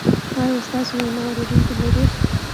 ایا ستاسو ویناوې اوریدونکي لري؟